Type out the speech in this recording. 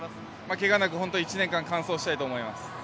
怪我なく１年間完走したいと思います。